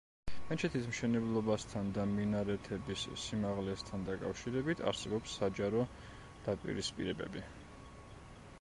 მეჩეთის მშენებლობასთან და მინარეთების სიმაღლესთან დაკავშირებით არსებობს საჯარო დაპირისპირებები.